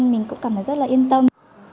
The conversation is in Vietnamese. mình cũng cảm thấy rất là yên tâm